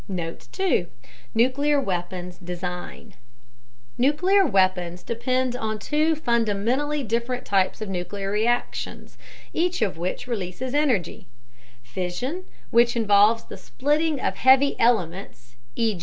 Note 2: Nuclear Weapons Design Nuclear weapons depend on two fundamentally different types of nuclear reactions, each of which releases energy: Fission, which involves the splitting of heavy elements (e.